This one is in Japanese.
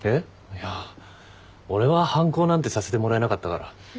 いや俺は反抗なんてさせてもらえなかったから。